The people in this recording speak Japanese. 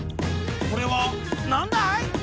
これはなんだい？